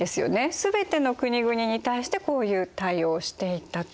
全ての国々に対してこういう対応をしていたと。